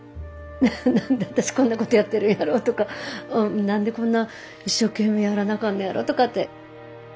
何で私こんなことやってるんやろうとか何でこんな一生懸命やらなあかんのやろうとかって。